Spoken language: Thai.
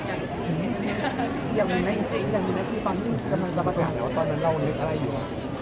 ยังมีในที่ตอนนี้กำลังจะมาไปหานะว่าตอนนั้นเราลึกอะไรอยู่